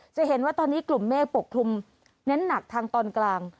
จะเห็นว่าตอนนี้กลุ่มเมฆปกคลุมเน้นหนักทางตอนกลาง